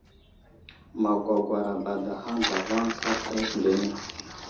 Magwagwar abadahaŋ zlavaŋ sarta isindene.